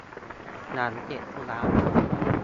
หลังเสร็จธุระ